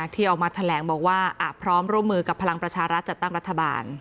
ที่ออกมาแถลงบอกว่าพร้อมร่วมมือกับพลังประชารัฐจัดตั้งรัฐบาล